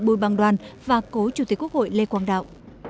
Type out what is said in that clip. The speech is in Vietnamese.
bùi bằng đoàn và cố chủ tịch quốc hội lê quang đạo